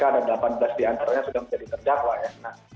ada delapan belas diantaranya sudah menjadi terdakwa ya